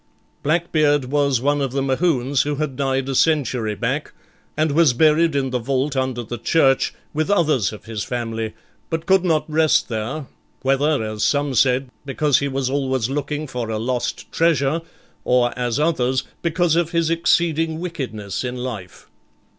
Blackbeard was one of the Mohunes who had died a century back, and was buried in the vault under the church, with others of his family, but could not rest there, whether, as some said, because he was always looking for a lost treasure, or as others, because of his exceeding wickedness in life.